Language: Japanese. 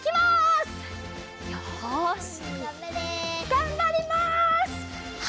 がんばります！